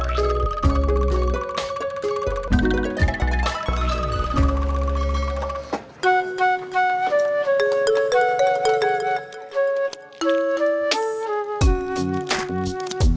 semoga selamat sampai tujuan